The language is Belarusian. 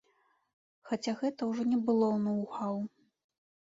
Хаця гэта ўжо не было ноў-хаў.